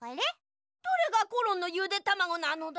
どれがコロンのゆでたまごなのだ？